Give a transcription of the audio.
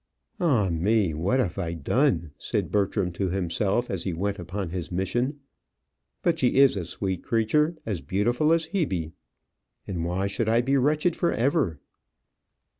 "Ah, me! what have I done!" said Bertram to himself, as he went upon his mission. "But she is a sweet creature; as beautiful as Hebe; and why should I be wretched for ever?"